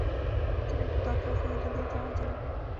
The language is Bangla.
পেছনে একটা দরজা আছে যেটা দিয়ে যাওয়া যাবে।